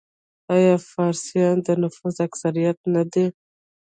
آیا فارسیان د نفوس اکثریت نه دي؟